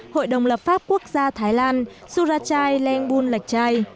hội đồng lập pháp quốc gia thái lan surajai lengbun lekchai